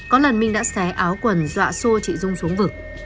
có lần minh đã xé áo quần dọa xô chị dung xuống vực